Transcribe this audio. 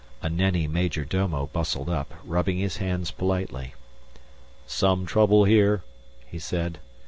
A Nenni major domo bustled up, rubbing his hands politely. "Some trouble here?" he said.